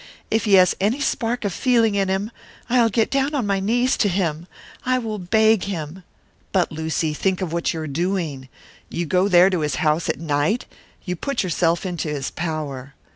If he has any spark of feeling in him I'll get down on my knees to him, I will beg him " "But, Lucy! think of what you are doing. You go there to his house at night! You put yourself into his power!"